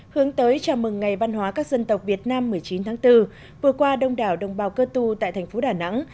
hướng tới chào mừng ngày văn hóa các dân tộc việt nam một mươi chín tháng bốn vừa qua đông đảo đồng bào cơ tu tại thành phố đà nẵng